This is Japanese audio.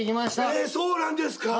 えそうなんですか。